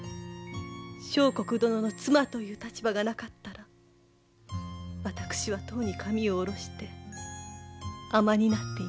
相国殿の妻という立場がなかったら私はとうに髪を下ろして尼になっていました。